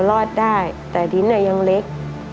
รอดได้แต่ดินยังเล็ก